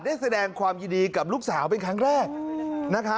แสดงความยินดีกับลูกสาวเป็นครั้งแรก